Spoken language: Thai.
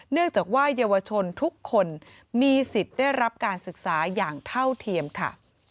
เนื่องจากว่าเยาวชนทุกคนมีสิทธิ์ได้รับการศึกษาอย่างเท่าเทียมค่ะ